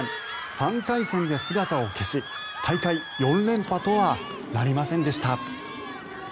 ３回戦で姿を消し大会４連覇とはなりませんでした。